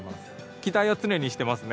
期待は常にしてますね。